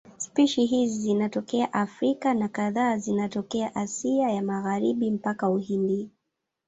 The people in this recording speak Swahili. Spishi hizi zinatokea Afrika na kadhaa zinatokea Asia ya Magharibi mpaka Uhindi.